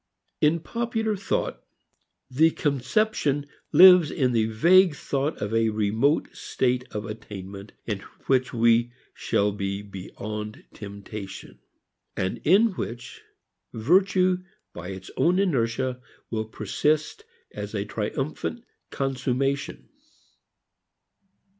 In popular thought, the conception lives in the vague thought of a remote state of attainment in which we shall be beyond "temptation," and in which virtue by its own inertia will persist as a triumphant consummation.